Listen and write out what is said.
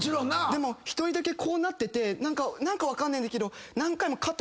でも１人だけこうなってて何か分かんないんだけど。